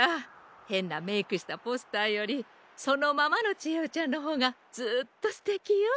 へんなメークしたポスターよりそのままのちえおちゃんのほうがずっとすてきよ。